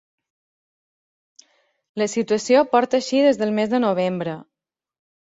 La situació porta així des del mes de novembre.